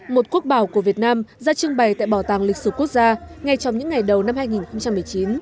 một quốc bảo của việt nam ra trưng bày tại bảo tàng lịch sử quốc gia ngay trong những ngày đầu năm hai nghìn một mươi chín